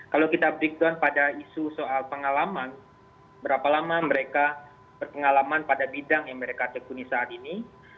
kalau kita breakdown pada isu soal pengalaman berapa lama mereka berpengalaman pada bidang yang mereka tekuni saat ini